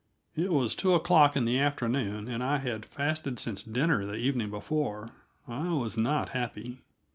It was two o'clock in the afternoon, and I had fasted since dinner the evening before. I was not happy.